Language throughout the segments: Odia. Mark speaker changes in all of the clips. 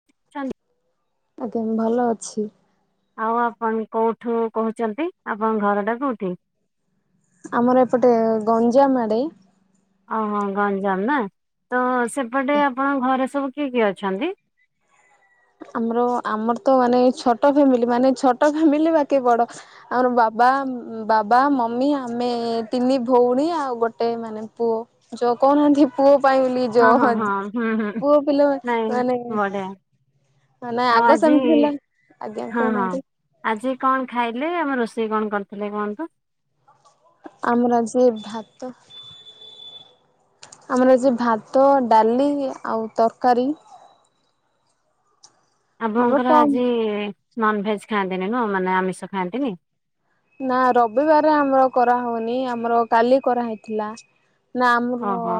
Speaker 1: [unintelligible]
Speaker 2: ଆଜ୍ଞା ଭଲ ଅଛି।
Speaker 1: ଆଉ ଆପଣ କୋଉଠୁ କହୁଛନ୍ତି? ଆପଣଙ୍କ ଘରଟା କୋଉଠି?
Speaker 2: ଆମର ଏପଟେ ଗଞ୍ଜାମ ଆଡେ।
Speaker 1: ଓହୋ ଗଞ୍ଜାମ ନା ତ ସେପଟେ ଆପଣ ଘରେ ସବୁ କିଏ କିଏ ଅଛନ୍ତି?
Speaker 2: ଆମର ଆମର ତ ମାନେ ଛୋଟ ଫ୍ୟାମିଲି ମାନେ ଛୋଟ ଫ୍ୟାମିଲି ବାକେ ବଡ ଆମର ବାବା ବାବା, ମମି ଆମେ ତିନି ଭଉଣୀ ଆଉ ଗୋଟେ ମାନେ ପୁଅ। ଜ କହୁ ନାହାଁନ୍ତି ପୁଅ ପାଇଁ ବୋଲି ଯ
Speaker 1: ହଁ ହଁ ହଁ ହୁଁ ହୁଁ
Speaker 2: ପୁଅ ପିଲା
Speaker 1: ନାଇଁ
Speaker 2: ମାନେ
Speaker 1: ବଢିଆ
Speaker 2: ନାଇଁ
Speaker 1: ଆଉ
Speaker 2: ଆଗ
Speaker 1: ଆଜି
Speaker 2: ସେମିତି ଥିଲା ଆଜ୍ଞା
Speaker 1: ହଁ ହଁ
Speaker 2: କହୁନାହାନ୍ତି।
Speaker 1: ଆଜି କଣ ଖାଇଲେ ଆମ ରୋଷେଇ କଣ କରିଥିଲେ କୁହନ୍ତୁ?
Speaker 2: ଆମର ଆଜି ଭାତ ଆମର ଯେ ଭାତ, ଡାଲି ଆଉ ତରକାରୀ। ଆମର
Speaker 1: ଆପଣଙ୍କର
Speaker 2: କମ୍
Speaker 1: ଆଜି ନନଭେଜ୍ ଖାଆନ୍ତିନି ନୁହଁ ମାନେ ଆମିଷ ଖାଆନ୍ତିନି?
Speaker 2: ନା ରବିବାର ଆମର କରାହୋଉନି ଆମର କାଲି କରାହେଇଥିଲା। ନା ଆମର
Speaker 1: ଓହୋ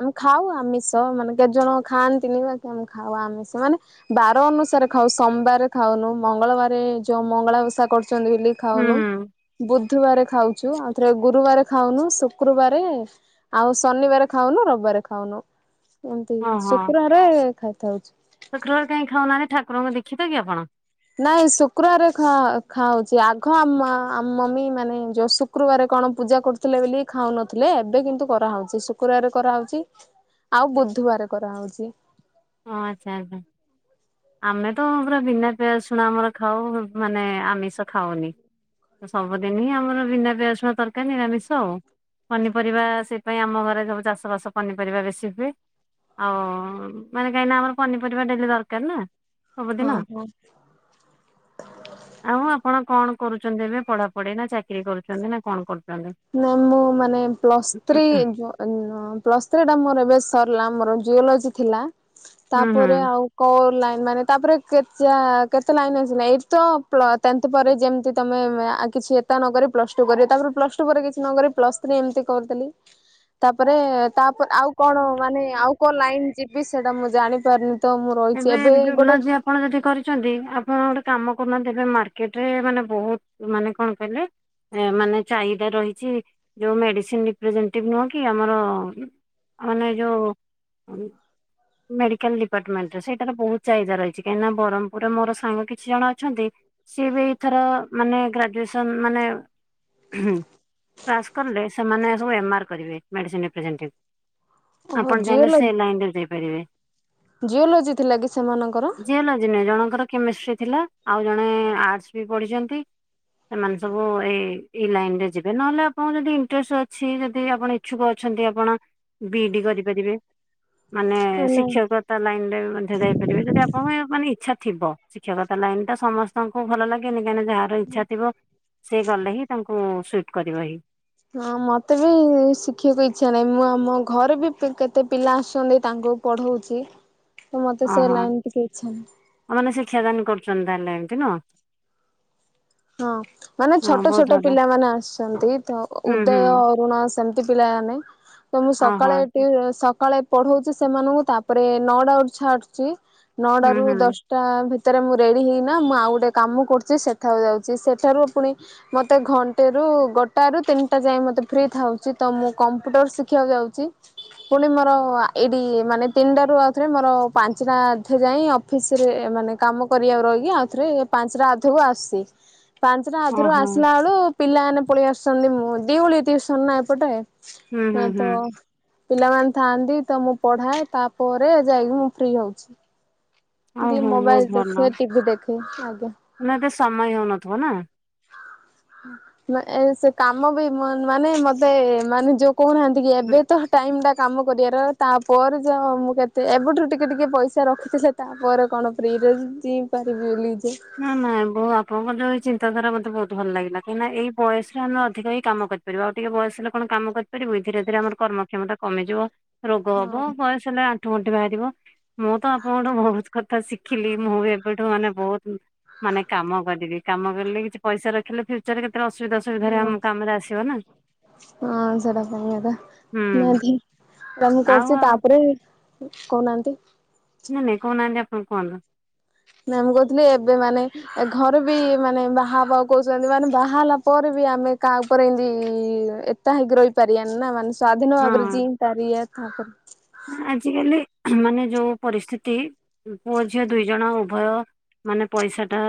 Speaker 2: ଆମେ ଖାଉ ଆମିଷ ମାନେ କେତେ ଜଣ ଖାଆନ୍ତିନି ବାକେ ଆମେ ଖାଉ ଆମିଷ ମାନେ ବାର ଅନୁସାରେ ଖାଉ। ସୋମବାର ଖାଉନୁ ମଙ୍ଗଳବାର ଯୋଉ ମଙ୍ଗଳା ଓସା କରୁଛନ୍ତି ବୋଲି
Speaker 1: ହୁଁ
Speaker 2: ଖାଉନୁ
Speaker 1: ହୁଁ
Speaker 2: ବୁଧୁବାର ଖାଉଛୁ। ଆଉଥରେ ଗୁରୁବାର ଖାଉନୁ ଶୁକ୍ରବାରେ ଆଉ ଶନିବାର ଖାଉନୁ ରବିବାରେ ଖାଉନୁ ଏମିତି
Speaker 1: ଓହୋ
Speaker 2: ଶୁକ୍ରବାରେ ଖାଇଥାଉଛୁ।
Speaker 1: ଶୁକ୍ରବାର କାଇଁ ଖାଉନାହାଁନ୍ତି ଠାକୁରଙ୍କ ଦିଖିତକି ଆପଣ?
Speaker 2: ନାଇଁ ଶୁକ୍ରବାର ଗଖାଉଛି ଆଗ ଆମ ଆମ ମମି ମାନେ ଯୋଉ ଶ କ୍ରୁ ବାରେ କଣ ପୂଜା କରୁଥିଲେ ବୋଲି ଖାଉନଥିଲେ, ଏବେ କିନ୍ତୁ କରାହଉଚି ଶୁକ୍ରବାରେ କରାହଉଚି ଆଉ ବୁଧବାରେ କରାହଉଛି।
Speaker 1: ଓ ଆଚ୍ଛା ଆଚ୍ଛା। ଆମେ ତ ପୁରା ବିନା ପିଆ ରଶୁଣ ଆମର ଖାଉ ମାନେ ଆମିଷ ଖାଉନି। ସବୁଦିନି ଆମର ବିନା ପିଆ ରସୁଣ ତର୍କାରୀ ନିରାମିଷ ଆଉ। ପନିପରିବା ସେପାଇଁ ଆମ ଘରେ ସବୁ ଚାଷ ବାସ ପନିପରିବା ବେଶୀ ହୁଏ। ଆଉ-ଉ ମାନେ କାହିଁନା ଆମର ପନିପରିବା ଡେଲି ଦରକାର ନା
Speaker 2: ହଁ
Speaker 1: ସବୁଦିନ।
Speaker 2: ହଁ
Speaker 1: ଆଉ ଆପଣ କଣ କରୁଛନ୍ତି ଏବେ ପଢାପଢି ନା ଚାକିରି କରୁଛନ୍ତି ନା କଣ କରୁଚନ୍ତି?
Speaker 2: ନାଇଁ ମୁଁ ମାନେ ପ୍ଲସ୍ ଥ୍ରୀ ଏନଁ ପ୍ଲସ୍ ଥ୍ରୀ ଟା ମୋର ଏବେ ସରିଲା ମୋର ଜିଓଲୋଜି ଥିଲା
Speaker 1: ହୁଁ ହୁଁ।
Speaker 2: ତାପରେ ଆଉ କୋ ଲାଇନ୍ ମାନେ ତାପରେ କେଚା କେତେ ଲାଇନ୍ ଆସିନି ଏଇ ତ ପ୍ଲ ଟେ ତ ପରେ ଯେମିତି ତମେ ଏ ଆ କିଛି ଏତା ନ କରି ପ୍ଲସ ଟୁ କରି ତା ପ୍ଲସ ଟୁ ପରେ କିଛି ନ କରି ପ୍ଲସ୍ ଥ୍ରୀ ଏମତି କରଦେଲି ତାପରେ ତାପ ଆଉ କଣ ମାନେ ଆଉ କୋଉ ଲାଇନ ଯିବି ସେଇଟା ମୁଁ ଜାଣିପାରୁ ତ ମୁଁ ରହିଚି ଏବେ ଗୋଟେ
Speaker 1: ଆପଣ ଯଦି କରିଚନ୍ତି ଆପଣ ଗୋଟେ କାମ କରୁନାହାନ୍ତି ଏବେ ମାର୍କେଟରେ ମାନେ ବୋହୁତ ମାନେ କଣ କୈଲେ? ମାନେ ଚାହିଦା ରହିଚି ଯୋଉ ମେଡିସିନ ରିପ୍ରେଜେଣ୍ଟିଭ ନୁହଁ କି ଆମର-ଅ ମାନେ ଯୋଉ ମେଡିକାଲ ଡିପାର୍ଟମେଣ୍ଟ। ତ ସେଇଟାର ବୋହୁତ ଚାହିଦା ରହିଛି କାହିଁକି ନା ବରହ୍ମପୁରେ ମୋର ସାଙ୍ଗ କିଛି ଜଣ ଅଛନ୍ତି ସିଏ ବି ଏଇଥର ମାନେ ଗ୍ରାଜୁଏସନ ମାନେ ହୁଁ ପାସ୍ କଲେ ସେମାନେ ସବୁ ଏମ୍ ଆର୍ କରିବେ ମେଡ଼ିସିନ ରପ୍ରେଜେଣ୍ଟିଭ୍।
Speaker 2: ଓହୋ
Speaker 1: ଆପଣ ଚାହିଁଲେ ସେ
Speaker 2: ଜିଓଲୋଜି
Speaker 1: ଲାଇନରେ ଯାଇପାରିବେ।
Speaker 2: ଜିଓଲୋଜି ଥିଲା କିି ସେମାନଙ୍କର?
Speaker 1: ଜିଓଲୋଜି ନୁହେଁ ଜଣଙ୍କର କେମିଷ୍ଟ୍ରି ଥିଲା ଆଉ ଜଣେ-ଏ ଆର୍ଟ୍ସ ବି ପଢିଛନ୍ତି। ସେମାନେ ସବୁ ଏଇ ଏଇ ଲାଇନ ରେ ଯିବେ ନହେଲେ ଆପଣଙ୍କୁ ଯଦି ଇଣ୍ଟରେଷ୍ଟ ଅଛି ଯଦି ଆପଣ ଇଚ୍ଛୁକ ଅଛନ୍ତି ଆପଣ ବି ଇ ଡି କରିପାରିବେ ମାନେ
Speaker 2: ନାଇଁ
Speaker 1: ଶିକ୍ଷକତା ଲାଇନରେ ମଧ୍ୟ ଯାଇ ପାରିବେ ଯଦି ଆପଣଙ୍କୁ ମାନେ ଇଛାଥିବ ଶିକ୍ଷକତା ଲାଇନ ଟା ସମସ୍ତଙ୍କୁ ଭଲ ଲାଗେନି କାଇଁନା ଯାହା ର ଇଚ୍ଛା ଥିବ ସେ ଗଲେ ହିଁ ତାଙ୍କୁ ସୁଇଟ୍ କରିବ ହି।
Speaker 2: ହଁ ମତେ ବି-ଇ ଶିଖିଆକୁ ଇଚ୍ଛା ନାହିଁ ମୁଁ ଆମ ଘରେ ବି ପି କେତେ ପିଲା ଆସୁଛନ୍ତି ତାଙ୍କୁ ପଢଉଚି ନ୍ତୁ ମତେ ସେ ଲାଇନ ଟିକେ ଇଚ୍ଛା ନାହିଁ।
Speaker 1: ଆ ମାନେ ଶିକ୍ଷାଦାନ କରୁଛନ୍ତି ତାହେଲେ ଏମ୍ତି ନୁହଁ?
Speaker 2: ହଁ। ମାନେ
Speaker 1: ହଁ
Speaker 2: ଛଟ
Speaker 1: ବହୁତ
Speaker 2: ଛୋଟ
Speaker 1: ଭଲ
Speaker 2: ପିଲାମାନେ ଆସିଛନ୍ତି ତ
Speaker 1: ହୁଁ
Speaker 2: ଉଦୟ,
Speaker 1: ହୁଁ
Speaker 2: ଅରୁଣ ସେମିତି ପିଲାମାନେ। ତ ମୁଁ
Speaker 1: ଓହୋ
Speaker 2: ସକାଳେ ଏଠି ସକାଳେ ପଢଉଚି ସେମାନଙ୍କୁ ତାପରେ ନଅଟା ଳକୁ ଛାଡୁଛି
Speaker 1: ହୁଁ
Speaker 2: ନଅଟାରୁ
Speaker 1: ହୁଁ
Speaker 2: ଦଶ୍ ଟା ଭିତରେ ମୁଁ ରେଡ଼ି ହେଇନା ମୁଁ ଆଉ ଗୋଟେ କାମ କରୁଚି ସେଠାକୁ ଯାଉଚି, ସେଠାରୁ ପୁଣି ମତେ ଘଣ୍ଟେ ରୁ ଗୋଟାଏ ରୁ ତିନିଟା ଯାଏଁ ମତେ ଫ୍ରି ଥାଉଚି ତ ମୁଁ କମ୍ପୁଟର ଶିଖିବାକୁ ଯାଉଚି। ପୁଣି ମୋର ଆ ଏଇଠି ମାନେ ତିନିଟାରୁ ଆଉଥରେ ମୋର ପାଞ୍ଚଟା ଧିଏ ଯାଇଁ ଅ ଫିସିରେ ମାନେ କାମ କରିବାକୁ ରହିକି ଆଉ ଥରେ ପାଞ୍ଚଟା ଅଧେକୁ ଆସି ପାଞ୍ଚଟା ଅଧେରୁ
Speaker 1: ଓହୋ।
Speaker 2: ଆସିଲା ଏଳୁ ପିଲାମାନେ ପଳି ଆସୁଛନ୍ତି ମୁଁ ଦିଉଳି ଟିଉସନ ନା ଏପଟେ।
Speaker 1: ହୁଁ ହୁଁ
Speaker 2: ନାଁ
Speaker 1: ହୁଁ
Speaker 2: ତ। ପିଲାମାନେ ଥାଆନ୍ତି ତ ମୁଁ ପଢାଏ ତାପରେ ଯାଇକି ମୁଁ ଫ୍ରି ହଉଚି। ଦି
Speaker 1: ଓହୋ
Speaker 2: ମୋବାଇଲ
Speaker 1: ବହୁତ ଭଲ
Speaker 2: ଦେଖେ ଟିଭି ଦେଖେ ଆଗେ।
Speaker 1: ନା ତ ସମୟ ହେଉନଥିବ ନା।
Speaker 2: ଏ ସେ କାମ ବି ମାନେ ମତେ ମାନେ ଯୋଉ କହୁନାହାନ୍ତି କି
Speaker 1: ହୁଁ
Speaker 2: ଏବେ ତ ଟାଇମ ଟା କାମ କରିବାର ତାପରେ ଯ ମୁଁ କେତେ ଏବେଠୁ ଟିକେ ଟିକେ ପଇସା ରଖିଛି ସେ ତାପରେ କଣ ଫ୍ରି ରେ ଜିଇଁ ପାରିବି ବୋଲି ଯେ।
Speaker 1: ନାଁ ନାଁ ବହୁ ଆପଣଙ୍କର ଯୋଉ ଏ ଚିନ୍ତାଧାରା ମତେ ବହୁତ ଭଲ ଲାଗିଲା, କାହିଁକିନା ଏଇ ବୟସରେ ଆମେ ଅଧିକ ହିଁ କାମ କରି ରିବ ଆଉ ଟିକେ ବୟସ ହେଲେ କଣ କାମ କରିପାରିବୁ ଧୀରେ ଧୀରେ ଆମର କର୍ମକ୍ଷମତା କମିଯିବ। ରୋଗ ହବ
Speaker 2: ହଁ
Speaker 1: ବୟସ ହେଲେ ଆଠୁ ଗଣ୍ଠି ବାହାରିିବ ମୁଁ ତ ଆପଣଙ୍କଠୁ ବହୁତ କଥା ଶିଖିଲି ମୁଁ ବି ଏବେଠୁ ମାନେ ବହୁତ ମାନେ କାମ କରିବି। କାମ କଲେ କିଛି ପଇସା ରଖିଲେ ଫ୍ୟୁଚରରେ କେତେ ଅସୁବିଧା ସୁବିଧାରେ
Speaker 2: ହଁ
Speaker 1: ଆମ କାମରେ ଆସିବ ନା।
Speaker 2: ହଁ ସେଇଟା ମେନ୍
Speaker 1: ହୁଁ
Speaker 2: କଥା ମୁଁ ବି କାମ
Speaker 1: ଆଉ
Speaker 2: କରୁଚି
Speaker 1: ଆଉ
Speaker 2: ତାପରେ କହୁନାହାନ୍ତି?
Speaker 1: ନାଇଁ ନାଇଁ କହୁହାନ୍ତି ଆପଣ କୁହନ୍ତୁ?
Speaker 2: ନା ମୁଁ କହୁଥିଲି ଏବେ ମାନେ ଏ ଘରେ ବି ମାନେ ବାହାବା କହୁଛନ୍ତି ମାନେ ବାହା ହେଲା ପରେ ବି ଆମେ କାହା ଉପରେ ଏମତି ଏ ତା ହେଇକି ରହିପାରିବାନି ନା ମାନେ ସ୍ଵାଧୀନ ଭାବରେ
Speaker 1: ହଁ।
Speaker 2: ଜିଇଁ ପାରିବା ତାପରେ
Speaker 1: ଆଜିକାଲି ମାନେ ଯୋଉ ପରିସ୍ଥିତି ପୁଅ ଝିଅ ଦୁଇ ଜଣ ଉଭୟ ମାନେ ପଇସା ଟା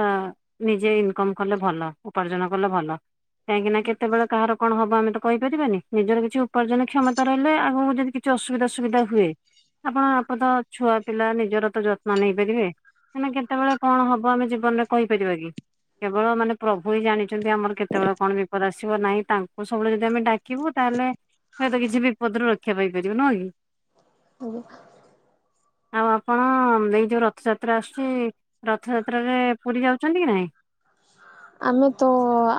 Speaker 1: ନିଜେ ଇନକମ କଲେ ଭଲ ଉପାର୍ଜନ କଲେ ଭଲ। କାହିଁକି ନା କେତେବେଳେ କାହାର କଣ ହବ ଆମେ ତ କହିପାରିବାନି ନିଜର କିଛି ଉପାର୍ଜନ କ୍ଷମତା ରହିଲେ ଆଗକୁ ଯଦି କି ଛି ଅସୁବିଧା ସୁବିଧା ହୁଏ ଆପଣ ଆପତ ଛୁଆ ପିଲା ନିଜର ତ ଯତ୍ନ ନେଇପାରିବେ। ମାନେ କେତେବେଳେ କଣ ହବ ଆମେ ଜୀବନରେ କହିପାରିବା କି କେବଳ ମାନେ ପ୍ରଭୁ ହିଁ ଜାଣିଛନ୍ତି ଆମର କେତେବେଳେ କଣ ବିପଦ ଆସ୍ ସିବ ନାହିଁ ତାଙ୍କୁ ସବୁବେଳେ ଯଦି ଆମେ ଡାକିବୁ ତାହେଲେ ହୁଏତ କିଛି ବିପଦରୁ ରକ୍ଷା ପାଇପାରିବୁ ନୁହଁ କି?
Speaker 2: କହୁଥା।
Speaker 1: ଆଉ ଆପଣ ଏ ଯୋଉ ରଥଯାତ୍ରା ଆସୁଛି ରଥଯାତ୍ରାରେ ପୁରୀ ଯାଉଛନ୍ତି କି ନାହିଁ?
Speaker 2: ଆମେ ତ ଆ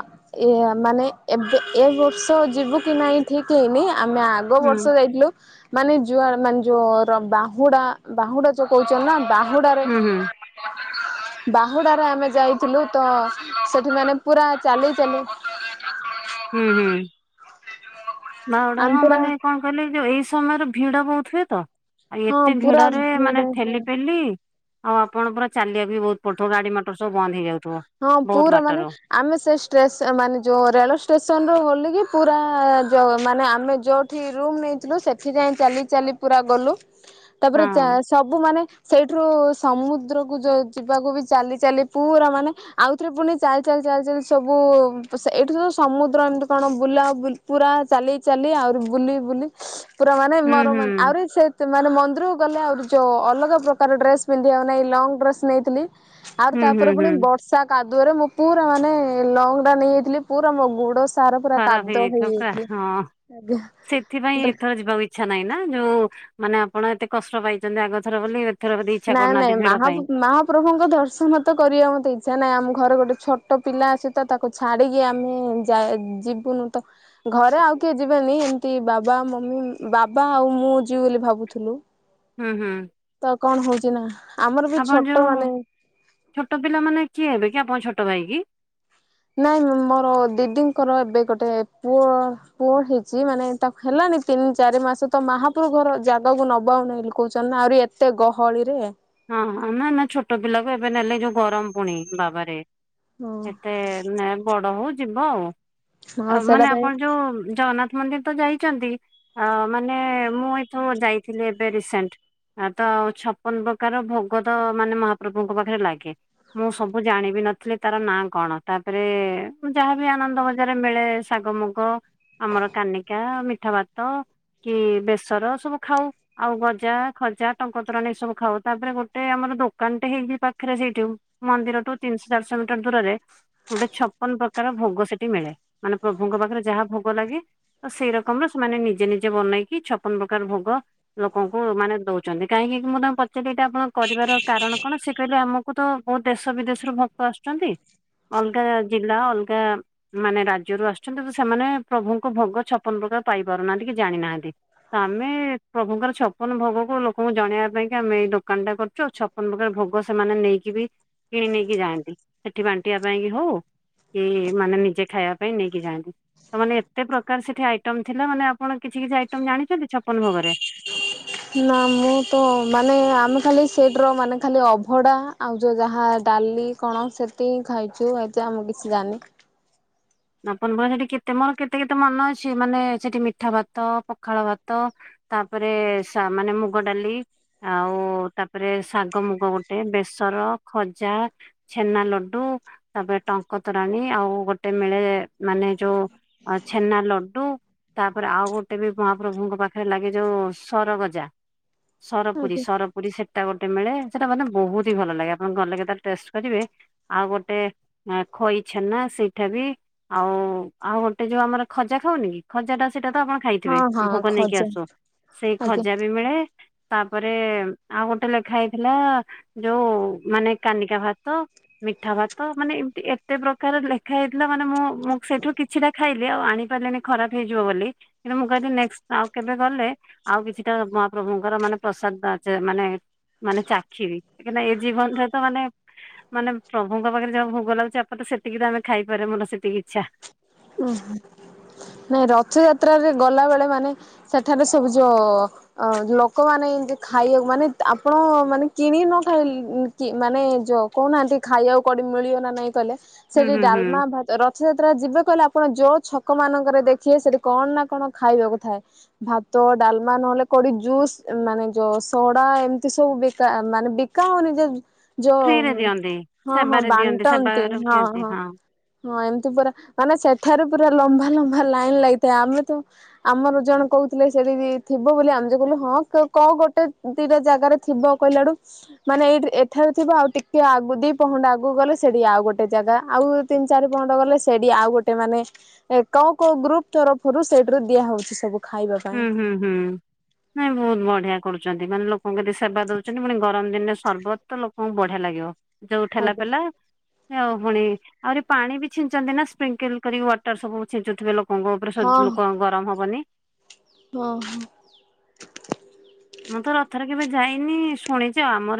Speaker 2: ଏ ମାନେ ଏବେ ଏ ବର୍ଷ ଯିବୁ କି ନାଇଁ ଠିକ ହେଇନି ଆମେ ଆଗ୍ କୋଉ
Speaker 1: ହୁଁ
Speaker 2: ବର୍ଷ ଯାଇଥିଲୁ? ମାନେ ଯୁଆର୍ ମାନେ ଯୋଉର ବାହୁଡା ବାହୁଡା ଯୋଉ କହୁଛ ନା ବାହୁଡାରେ।
Speaker 1: ହୁଁ ହୁଁ।
Speaker 2: [unintelligible] ବାହୁଡ଼ାରେ ଆମେ ଯାଇଥିଲୁ ତ ସେଠି ମାନେ ପୁରା ଚାଲି ଚାଲି। [unintelligible]
Speaker 1: ହୁଁ ହୁଁ ବାହୁଡା
Speaker 2: ଆମ
Speaker 1: ହଁ
Speaker 2: ପୁରା
Speaker 1: ମାନେ କଣ କହିଲେ ଏ ଯୋଉ ଏଇ ସମୟରେ ଭିଡ ବହୁତ ହୁଏ ତ ଆଉ
Speaker 2: ହଁ
Speaker 1: ଏତେ
Speaker 2: ପୁରା
Speaker 1: ଭିଡ ରେ ମାନେ ଠେଲି
Speaker 2: ଭିଡ
Speaker 1: ପେଲି ଆଉ ଆପଣ ପୁରା ଚାଲିବାକୁ ବି ବହୁତ ପଡୁଥିବ ଗାଡି ମଟର ସବୁ ବନ୍ଦ ହେଇଯାଉଚ୍ଛି।
Speaker 2: ହଁ ପୁରା ମାନେ ଆମେ ସେ ଷ୍ଟେସ ମାନେ ଯୋଉ ରେଳ ଷ୍ଟେସନରୁୁ ଓହ୍ଲିକି ପୁରା ଯଉ ମାନେ ଆମେ ଯୋଉ ଠି ରୁମ ନେଇଥିଲୁ ସେଠି ଯାଇ ଚାଲି ଚାଲି ପୁରା ଗଲୁ ତାପରେ
Speaker 1: ହଁ
Speaker 2: ଚାସ ସବୁ ମାନେ ସେଇଠୁ ରୁ ସମୁଦ୍ରୁକୁ ଯିବାକୁ ବି ଚାଲି ଚାଲି ପୁରା ମାନେ ଆଉଥରେ ପୁଣି ଚାଲି ଚାଲି ଚାଲି ଚାଲି ସବୁ ଏଇଠୁ ତ ସମୁଦ୍ର ଏମିତି କଣ ବୁଲା ବୁଲି ପୁରା ଚାଲି ଚାଲି ଆହୁରି ବୁଲି ବୁଲି ପୁରା ମାନେ
Speaker 1: ହୁଁ
Speaker 2: ମର
Speaker 1: ହୁଁ
Speaker 2: ଆହୁରି ସେ ସେମାନେ ମନ୍ଦିରକୁ ଗଲେ ଆହୁରି ଯୋଉ ଅଲଗା ପ୍ରକାର ଡ୍ରେସ ପିନ୍ଧିବାନାହିଁ ଲଙ୍ଗ ଡ୍ରେସ ନେଇଥିଲି। ଆଉ
Speaker 1: ହୁଁ ହୁଁ
Speaker 2: ତାପରେ ପୁଣି
Speaker 1: ହୁଁ
Speaker 2: ବ ସା କାଦୁଅରେ ମୁଁ ପୁରା ମାନେ ଲଙ୍ଗ ଟା ନେଇଯାଇଥିଲି ପୁରା ମୋ ଗୁଡ ସାରା ପୁରା
Speaker 1: ଖରାପ
Speaker 2: କାଦ
Speaker 1: ହେଇଯାଇଥିବ ପୁରା
Speaker 2: ହେଇଯାଇଥିଲା
Speaker 1: ହଁ
Speaker 2: ଆଜ୍ଞା।
Speaker 1: ଇଛା ନାଇଁ ନା ଯୋଉ ମାନେ ଆପଣ ଏତେ କଷ୍ଟ ପାଇଚନ୍ତି ଆଗ ଥର ବୋଲି। ଏଥର ବୋଧେ ଇଚ୍ଛା କରୁନାହାନ୍ତି
Speaker 2: ନାଇଁ-ନାଇଁ
Speaker 1: ଭିଡ
Speaker 2: ମାହା
Speaker 1: ପାଇଁ
Speaker 2: [unintelligible] ମା ପ୍ରଭୁଙ୍କ ଦର୍ଶନ ତ କରିବା ମତେ ଇଚ୍ଛା ନାହିଁ ଆମ ଘରେ ଗୋଟେ ଛୋଟ ପିଲା ଅଛି ତ ତାକୁ ଛାଡ଼ିକି ଆମେ ଯାଏ ଯିବୁନୁ ତ। ଘରେ ଆଉ କିଏ ଯିବେନି ଏମ୍ତି ବାବା ମମି ବାବା ଆଉ ମୁଁ ଯିବି ବୋଲି ଭାବୁଥିଲୁ।
Speaker 1: ହୁଁ-ହୁଁ।
Speaker 2: ତ କଣ ହଉଚି ନା ଆମର ବି ଛୋଟ
Speaker 1: ଯୋଉ
Speaker 2: ମାନେ
Speaker 1: ଛୋଟ ପିଲା ମାନେ କିଏ ହେବେ କି ଆପଣ ଛୋଟ ଭାଇ କି?
Speaker 2: ନାଇଁ ମୋର ଦିଦିଙ୍କର ଏବେ ଗୋଟେ ପୁଅ ପୁଅ ହେଇଚି ମାନେ ତାକୁ ହେଲାନି ତିନି ଚାରି ମାସ ତ ମାହାପ୍ରଭୁ ଘର ଜାଗାକୁ [unintelligible] କହୁଚନ୍ତି ଆହୁରି ଏତେ ଗହଳିରେ
Speaker 1: ହଁ ନା-ନା ଛୋଟ ପିଲାକୁ ଏବେ ନେଲେ ଯୋଉ ଗରମ ପୁଣି ବାବାରେ
Speaker 2: ହଁ
Speaker 1: ଏତେ ନା ବଡ ହଉ ଯିବ
Speaker 2: ହଁ
Speaker 1: ଆଉ-ଆଉ
Speaker 2: ସେଇଟା
Speaker 1: ମାନେ
Speaker 2: ପାଇଁ
Speaker 1: ଆପଣ ଯୋଉ [unintelligible] ମନ୍ଦିର ତ ଯାଇଚନ୍ତି ଆ ମାନେ ମୁଁ ଏଠୁ ଯାଇଥିଲି ଏବେ ରିସେଣ୍ଟ। ଆ ତ ଆଉ ଛପନ ପ୍ରକାର ଭୋଗ ତ ମାନେ ମହାପ୍ରଭୁଙ୍କ ପାଖରେ ଲାଗେ। ମୁଁ ସବୁ ଜାଣିବି ନଥିଲି ତାର ନାଁ କଣ ତାପରେ, ମୁଁ ଯାହାବି ଆନନ୍ଦ ବଜାରରେ ମିଳେ ଶାଗ ମୁଗ ଆମର କାନିକା ମିଠା ଭାତ କି ବେସର ସବୁ ଖାଉ ଆଉ ଗଜା, ଖଜା, ଟଙ୍କତୋରାଣୀ ସବୁ ଖାଉ। ତାପରେ ଗୋଟେ ଆମର ଦୋକାନଟେ ହେଇଚି ପାଖରେ ସେଇଠୁ ମନ୍ଦିରଠୁ ତିନିଶ ଚାରିଶହ ମିଟର ଦୂରରେ ଗୋଟେ ଛପନ ପ୍ରକାର ଭୋଗ ସେଠି ମିଳେ ମାନେ ପ୍ରଭୁଙ୍କ ପାଖରେ ଯାହା ଭୋଗ ଲାଗେ ସେଇ ରକମ୍ ରେ ସେମାନେ ନିଜେ-ନିଜେ ବନେଇକି ଛପନ ପ୍ରକାର ଭୋଗ ଲୋକଙ୍କୁ ମାନେ ଦଉଚନ୍ତି କାହିଁକି ମୁଁ [unintelligible] [unintelligible] ଏଇଟା ଆପଣ କରିବାର କାରଣ କଣ ସେ କହିଲେ ଆମକୁ ତ ବହୁତ୍ ଦେଶ ବିଦେଶରୁ ଭକ୍ତ ଆସୁଛନ୍ତି। ଅଲଗା ଜିଲ୍ଲା ଅଲଗା ମାନେ ରାଜ୍ୟରୁ ଆସୁଛନ୍ତି ତ ସେମାନେ ପ୍ରଭୁଙ୍କୁ ଭୋଗ ଛପନ ପ୍ରକାର ପାଇ ପାରୁନାହାନ୍ତି କି ଜାଣିନାହାନ୍ତି। ତମେ ପ୍ରଭୁଙ୍କର ଛପନ ଭୋଗକୁ ଲୋକଙ୍କୁ ଜଣେଇବା ପାଇଁ ଆମେ ଏଇ ଦୋକାନ ଟା କରଚୁ ଆଉ ଛପନ ପ୍ରକାର ଭୋଗ ସେମାନେ ନେଇକି ବି କିଣି ନେଇକି ଯାଆନ୍ତି ସେଠି ବାଣ୍ଟିବା ପାଇଁ କି ହଉ କି ମାନେ ନିଜେ ଖାଇବା ପାଇଁ ନେଇକି ଯାଆନ୍ତି। ତ ମାନେ ଏତେ ପ୍ରକାର ସେଠି ଆଇଟମ୍ ଥିଲା ମାନେ ଆପଣ କିଛି-କିଛି ଆଇଟମ୍ ଜାଣିଚନ୍ତି ଛପନ ଭୋଗରେ?
Speaker 2: ନା ମୁଁ ତ ମାନେ ଆମେ ଖାଲି [unintelligible] ମାନେ ଖାଲି ଅଭଢା ଆଉ ଯେଉଁ ଯାହା ଡାଲି କଣ ସେତି ହିଁ ଖାଇଚୁ ଏତ ଆ ମୁଁ କିଛି ଜାନି।
Speaker 1: [unintelligible] ସେଠି କେତେ ମୋର କେତେ-କେତେ ମନ ଅଛି ମାନେ ସେଠି ମିଠା ଭାତ ପଖାଳ ଭାତ ତାପରେ [unintelligible] ମୁଗ ଡାଲି ଆଉ ତାପରେ ସା ଗ ମୁଗ ଗୋଟେ ବେସର ଖଜା, ଛେନା ଲଡୁ, ତାପରେ ଟଙ୍କତୋରାଣୀ ଆଉ ଗୋଟେ ମିଳେ ମାନେ ଯୋଉ ଛେନା ଲଡୁ। ତାପରେ ଆଉ ଗୋଟେ ବି ମହାପ୍ରଭୁଙ୍କ ପାଖରେ ଲାଗି ଯୋଉ ସରଗଜା। ସରପୁରୀ
Speaker 2: ଆଜ୍ଞା
Speaker 1: ସର ପୁରୀ ସେଟା ଗୋଟେ ମିଳେ ସେଟା ମାନେ ବହୁତ୍ ହି ଭଲ ଲାଗେ ଆପଣ ଗଲେ [unintelligible] ଟେଷ୍ଟ କରିବେ ଆଉ ଗୋଟେ ଖଇଛେନା ସେଇ [unintelligible] ଆଉ-ଆଉ ଗୋଟେ ଯୋଉ ଆମର ଖଜା ଖାଉନି କି ଖଜା ଟା ସେଇଟା ତ ଆପଣ ଖାଇଥିବେ
Speaker 2: ହଁ
Speaker 1: ଆମେ
Speaker 2: ହଁ
Speaker 1: ଭୋକ ନେଇକି
Speaker 2: ଖଜା
Speaker 1: ଆସୁ ସେଇ
Speaker 2: ଆଜ୍ଞା
Speaker 1: ଖଜା ବି ମିଳେ। ତାପରେ ଆଉ ଗୋଟେ ଲେଖା ହେଇଥିଲା ଯୋଉ ମାନେ କାନିକା ଭାତ ମିଠା ଭାତ ମାନେ ଏମ୍ତି ଏତେ ପ୍ରକାର ଲେଖା ହେଇଥିଲା ମାନେ ମୁଁ-ମୁଁ ସେଇଠୁ କିଛିଟା ଖାଇଲି। ଆଉ ଆଣି ପାରିଲିନି ଖରାପ୍ ହେଇଯିବ ବୋଲି, କିନ୍ତୁ ମୁଁ କହିଲି ନେକ୍ସଟ୍ ଆଉ କେବେ ଗଲେ ଆଉ କିଛିଟା ମହାପ୍ରଭୁଙ୍କର ମାନେ ପ୍ରସାଦ [unintelligible] ମାନେ ମାନେ ଚାଖିବି [unintelligible] ଏ ଜୀବନରେ ତ ମାନେ ମାନେ ପ୍ରଭୁଙ୍କ ପାଖେରେ ଯାହା ଭୋଗ ଲାଗୁଚି ଆପରେ ତ ସେତିକି ତ ଆମେ ଖାଇପାରେ ମୋର ସେତିକି ଇଚ୍ଛା।
Speaker 2: ଓହୋ, ନାଇଁ ରଥଯାତ୍ରାରେ ଗଲାବେଳେ ମାନେ ସେଠାରେ ସବୁ ଯୋଉ ଅ ଲୋକମାନେ ଏନ୍ତି ଖାଇବାକୁ ମାନେ ଆପଣ ମାନେ କିଣିକି ନ ଖାଇ କି ମାନେ ଯୋଉ କହୁନାହାନ୍ତି ଖାଇବାକୁ କୋଉଟି ମିଳିବ ନା ନାଇଁ କହିଲେ
Speaker 1: ହୁଁ
Speaker 2: ସେଠି
Speaker 1: ହୁଁ ହୁଁ
Speaker 2: ଡାଲମା ଭାତ ରଥଯାତ୍ରା ଯିବେ କହିଲେ ଆପଣ ଯୋଉ ଛକ ମାନଙ୍କରେ ଦେଖିବେ ସେଠି କଣ ନା କଣ ଖାଇବାକୁ ଥାଏ। ଭାତ ଡାଲମା ନହେଲେ କୋଉଠି ଜୁସ୍ ମାନେ ଯୋଉ ସୋଡା ଏମ୍ତି ସବୁ ବିକା ମାନେ ବି କା ହଉନି ଯେ ଯୋଉ
Speaker 1: ଫ୍ରିରେ ଦିଅନ୍ତି
Speaker 2: ହଁ-ହଁ
Speaker 1: ସେବାରେ ଦିଅନ୍ତି
Speaker 2: ବାଣ୍ଟନ୍ତି
Speaker 1: ସେବାରେ ଦିଅନ୍ତି
Speaker 2: ହଁ-ହଁ।
Speaker 1: ହଁ
Speaker 2: ହଁ ଏମ୍ତି ପୁରା ମାନେ ସେଠାରୁ ପୁରା ଲମ୍ବା-ଲମ୍ବା ଲାଇନ୍ ଲାଗିଥାଏ, ଆମେ ତ ଆମର ଜଣେ କହୁଥିଲେ ସେଠି ଥିବ ବୋଲି ଆମେ ଯୋଉ କହିଲୁ ହଁ କଣ ଗୋଟେ ଦିଟା ଜାଗାରେ ଥିବ କହିଲାଡୁ ମାନେ ଏଇିଠି ଏଠାରେ ଥିବ ଆଉ ଟିକେ ଆଗ ଦି ପହଣ୍ଡା ଆଗକୁ ଗଲେ ସେଠି ଆଉ ଗୋଟେ ଜାଗା ଆଉ ତିନ୍ ଚାରି ପହଣ୍ଡ ଗଲେ ସେ ଆଉ ଗୋଟେ ମାନେ କୋଉ-କୋଉ ଗ୍ରୁପ୍ ତରଫରୁ ସେଇଠୁରୁ ଦିଆ ହଉଚି ସବୁ। ଖାଇବା ପାଇଁ
Speaker 1: ହୁଁ-ହୁଁ-ହୁଁ ନାଇଁ ବହୁତ୍ ବଢିଆ କରୁଚନ୍ତି ମାନେ ଲୋ [unintelligible] ସେବା ଦଉଚନ୍ତି ପୁଣି ଗରମ୍ ଦିନରେ ସର୍ବତ ଲୋକଙ୍କୁ ବଢିଆ ଲାଗିବ, ଯୋଉ ଠେଲା
Speaker 2: ଆଜ୍ଞା
Speaker 1: ପେଲା [unintelligible] ପୁଣି ଆହୁରି ପାଣି ବି ଛିଞ୍ଚନ୍ତି ନା ସ୍ପ୍ରିଙ୍କିଲ୍ କରି ୱାଟର୍ ସବୁ ଛିଞ୍ଚୁଥିବେ ଲୋ କଙ୍କ ଉପରେ ଲୋକଙ୍କୁ ଗରମ୍ ହବନି।
Speaker 2: ହଁ-ହଁ।
Speaker 1: ମୁଁ ତ ରଥରେ କେବେ ଯାଇନି, ଶୁଣିଚି ଆଉ ଆମର